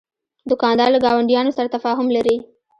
دوکاندار له ګاونډیانو سره تفاهم لري.